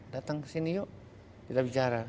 datang ke sini yuk kita bicara